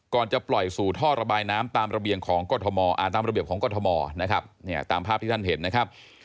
ก่อนจะปล่อยสู่ท่อระบายน้ำตามระเบียบของก็ธมตามภาพที่ท่านเห็นนะครับ